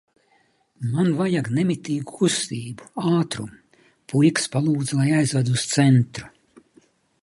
Man vajag nemitīgu kustību, ātrumu. Puikas palūdza, lai aizvedu uz centru.